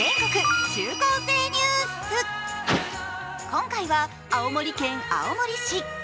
今回は青森県青森市。